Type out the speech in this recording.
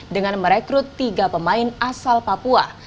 dengan merekrut tiga pemain asal papua